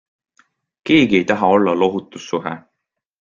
Keegi ei taha olla lohutus-suhe.